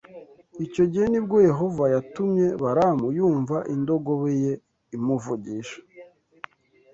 Icyo gihe ni bwo Yehova yatumye Balamu yumva indogobe ye imuvugisha